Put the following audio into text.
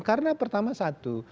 karena pertama satu